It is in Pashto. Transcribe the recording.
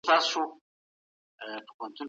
لرونکي ځیني پښتو اصطلاحات انتخاب او رسمي